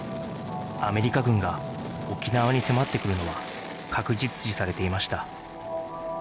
アメリカ軍が沖縄に迫ってくるのは確実視されていました